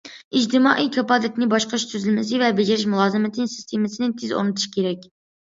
ئىجتىمائىي كاپالەتنى باشقۇرۇش تۈزۈلمىسى ۋە بېجىرىش مۇلازىمىتى سىستېمىسىنى تېز ئورنىتىش كېرەك.